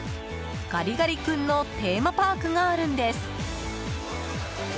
ガリガリ君のテーマパークがあるんです。